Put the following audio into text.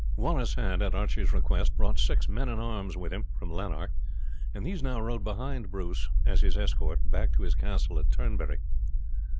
Wallace had, at Archie's request, brought six mounted men at arms with him from Lanark, and these now rode behind Bruce as his escort back to his castle of Turnberry.